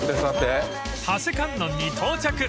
［長谷観音に到着！］